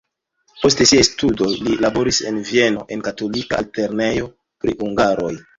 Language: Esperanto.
Post siaj studoj li laboris en Vieno en katolika altlernejo pri hungaroj.